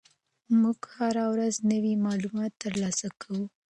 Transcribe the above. موږ هره ورځ نوي معلومات ترلاسه کوو.